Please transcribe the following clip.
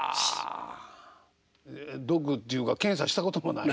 ドックっちゅうか検査したこともない？